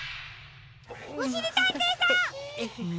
おしりたんていさん！